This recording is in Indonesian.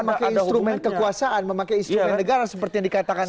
memakai instrumen kekuasaan memakai instrumen negara seperti yang dikatakan